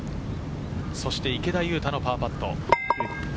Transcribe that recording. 池田勇太のパーパット。